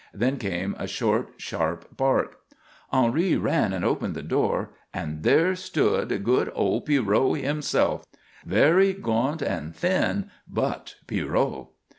Then came a short, sharp bark. Henri ran and opened the door, and there stood good old Pierrot himself, very gaunt and thin, but Pierrot!